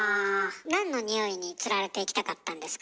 何のニオイにつられていきたかったんですか？